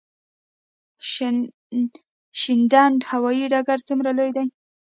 شینډنډ هوايي ډګر څومره لوی دی؟